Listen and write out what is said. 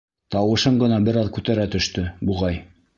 Тауышын ғына бер аҙ күтәрә төштө, буғай.